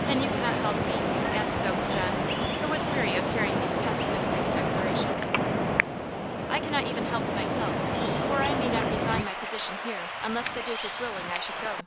"Then you cannot help me?" asked Uncle John, who was weary of hearing these pessimistic declarations. "I cannot even help myself; for I may not resign my position here unless the Duke is willing I should go."